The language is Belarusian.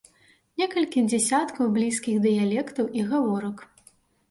Некалькі дзесяткаў блізкіх дыялектаў і гаворак.